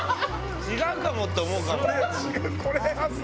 違うかもって思うかも。